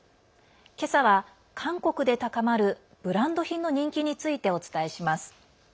今朝は韓国で高まるブランド品の人気についてお伝えします。